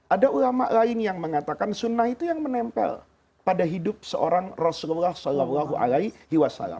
ada ulama lain yang mengatakan sunnah itu yang menempel pada hidup seorang rasulullah saw